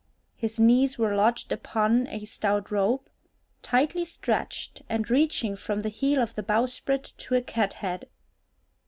His knees were lodged upon a stout rope, tightly stretched, and reaching from the heel of the bowsprit to a cathead.